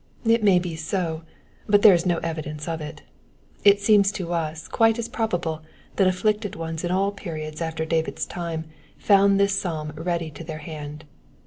It may be so, but there is no evidence of it; it seems to us quite as probable that c{fflicted ones in all periods after David* s time found this psalm ready to their hand.